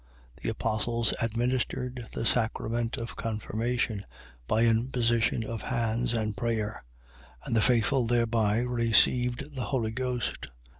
.The apostles administered the sacrament of confirmation, by imposition of hands, and prayer; and the faithful thereby received the Holy Ghost.